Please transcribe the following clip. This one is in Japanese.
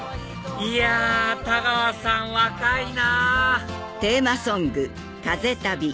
いや太川さん若いな！